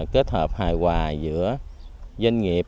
kết hợp hài hòa giữa doanh nghiệp doanh nghiệp doanh nghiệp